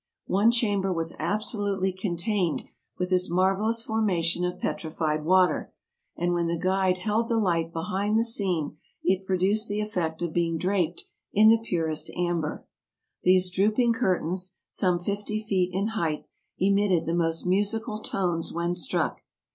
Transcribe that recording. One chamber was absolutely cur tained with this marvelous formation of petrified water, and when the guide held the light behind the scene it produced the effect of being draped in the purest amber. These drooping curtains, some fifty feet in height, emitted the most musical tones when struck.